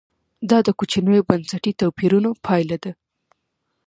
دا د کوچنیو بنسټي توپیرونو پایله وه.